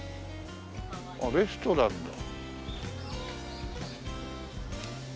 あっレストランだ。